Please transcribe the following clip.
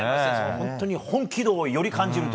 本当に本気度をより感じます。